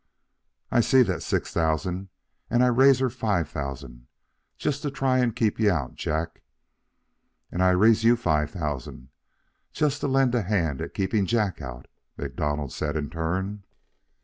"I see that six thousand, and I raise her five thousand...just to try and keep you out, Jack." "And I raise you five thousand just to lend a hand at keeping Jack out," MacDonald said, in turn.